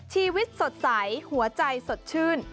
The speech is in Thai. ชีวิตสดใสหัวใจสดชื่น